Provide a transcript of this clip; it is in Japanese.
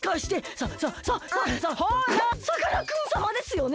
さかなクンさまですよね！？